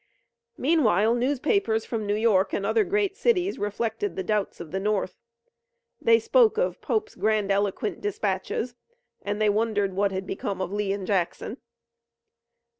Meanwhile newspapers from New York and other great cities reflected the doubts of the North. They spoke of Pope's grandiloquent dispatches, and they wondered what had become of Lee and Jackson.